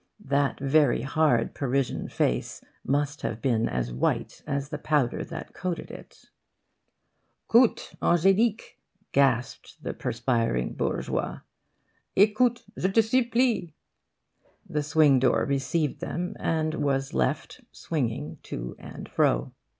That very hard Parisian face must have been as white as the powder that coated it. 'Coute, Ange'lique,' gasped the perspiring bourgeois, 'écoute, je te supplie ' The swing door received them and was left swinging to and fro.